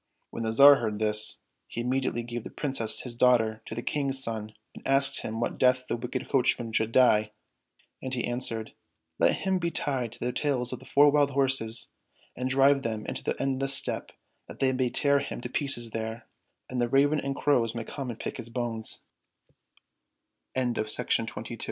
When the Tsar heard this, he immediately gave the Princess his daughter to the King's son, and they asked him what death the wicked coachman should die. And he answered, " Let him be tied to the tails of four wild horses, and drive them into the endless steppe that they may tear him to pieces there, and the ravens and